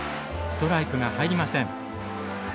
ストライクが入りません。